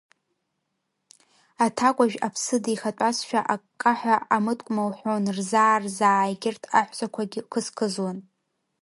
Аҭакуажә аԥсы дихатәазшәа аккаҳәа амыткума лҳәон, рзаа-рзаа егьырҭ аҳәсақуагьы қызқызуан.